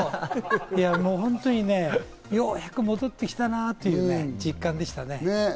本当にね、ようやく戻ってきたんだなという実感でしたね。